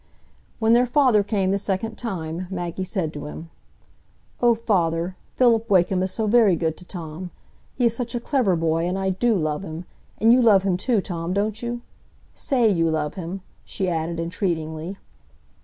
When their father came the second time, Maggie said to him, "Oh, father, Philip Wakem is so very good to Tom; he is such a clever boy, and I do love him. And you love him too, Tom, don't you? Say you love him," she added entreatingly.